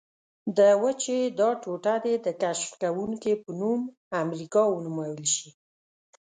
د وچې دا ټوټه دې د کشف کوونکي په نوم امریکا ونومول شي.